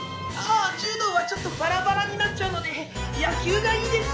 あ柔道はちょっとバラバラになっちゃうので野球がいいです。